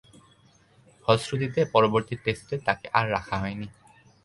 ফলশ্রুতিতে, পরবর্তী টেস্টে তাকে আর রাখা হয়নি।